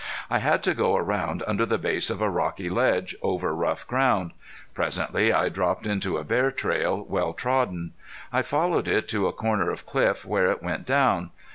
I had to go around under the base of a rocky ledge, over rough ground. Presently I dropped into a bear trail, well trodden. I followed it to a corner of cliff where it went down.